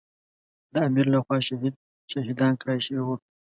د امیر له خوا شهیدان کړای شوي وو.